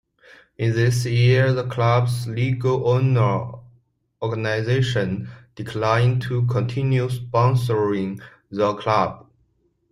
In this year, the club's legal owner organization declined to continue sponsoring the club.